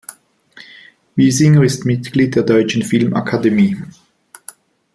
Wiesinger ist Mitglied der Deutschen Filmakademie.